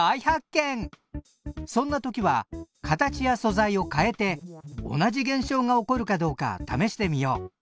そんな時は形や素材を変えて同じ現象が起こるかどうか試してみよう！